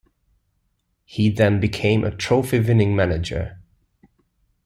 He then became a trophy-winning manager.